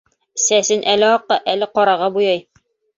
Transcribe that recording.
Сәсен әле аҡҡа, әле ҡараға буяй.